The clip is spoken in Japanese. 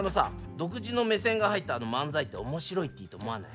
独自の目線が入った漫才って面白いティと思わない？